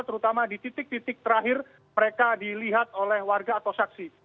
terutama di titik titik terakhir mereka dilihat oleh warga atau saksi